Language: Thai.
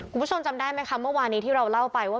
คุณผู้ชมจำได้ไหมคะเมื่อวานี้ที่เราเล่าไปว่า